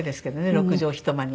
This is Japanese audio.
６畳一間に。